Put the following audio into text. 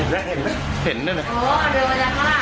อ๋อเหมือนชุดนอนลงบ้านประหยา